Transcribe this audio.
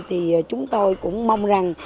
thì chúng tôi cũng mong rằng